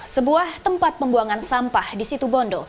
sebuah tempat pembuangan sampah di situ bondo